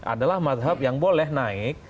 adalah mazhab yang boleh naik